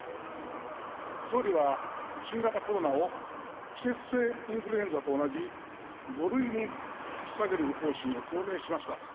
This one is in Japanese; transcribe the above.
総理は新型コロナを季節性インフルエンザと同じ５類に引き下げる方針を表明しました。